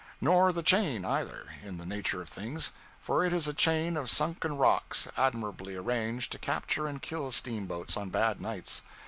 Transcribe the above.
Nor the Chain, either in the nature of things; for it is a chain of sunken rocks admirably arranged to capture and kill steamboats on bad nights.